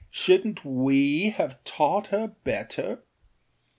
Shouldnât we have taught her better?